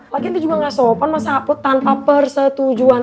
lagian dia juga gak sopan masa upload tanpa persetujuan